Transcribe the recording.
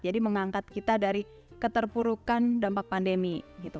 jadi mengangkat kita dari keterpurukan dampak pandemi gitu